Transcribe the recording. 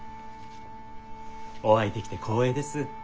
お会いできて光栄です。